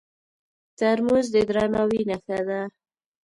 ترموز د درناوي نښه ده.